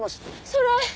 それ！